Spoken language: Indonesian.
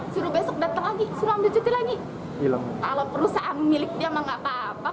suruh besok datang lagi suruh ambil cuti lagi ilang kalau perusahaan miliknya enggak papa